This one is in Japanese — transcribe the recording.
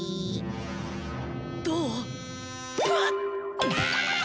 どう？